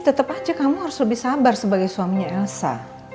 tetap aja kamu harus lebih sabar sebagai suaminya elsa